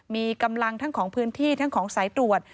มีกำลังทั้งของพื้นที่ทั้งของสายตรวจ